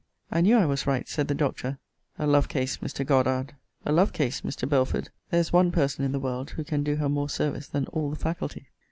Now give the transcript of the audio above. I knew I was right, said the Doctor. A love case, Mr. Goddard! a love case, Mr. Belford! there is one person in the world who can do her more service than all the faculty.